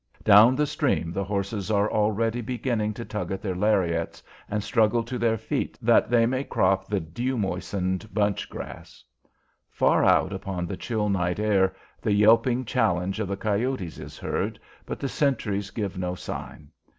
Down the stream the horses are already beginning to tug at their lariats and struggle to their feet, that they may crop the dew moistened bunch grass. Far out upon the chill night air the yelping challenge of the coyotes is heard, but the sentries give no sign.